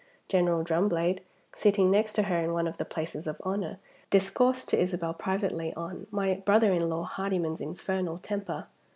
General Drumblade, sitting next to her in one of the places of honor, discoursed to Isabel privately on "my brother in law Hardyman's infernal temper."